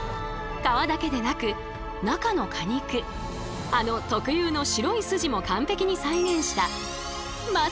皮だけでなく中の果肉あの特有の白い筋も完璧に再現したまさに芸術品。